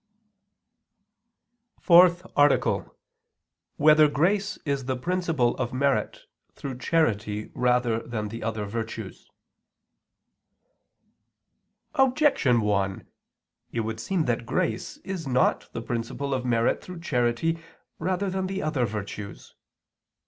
________________________ FOURTH ARTICLE [I II, Q. 114, Art. 4] Whether Grace Is the Principle of Merit Through Charity Rather Than the Other Virtues? Objection 1: It would seem that grace is not the principle of merit through charity rather than the other virtues.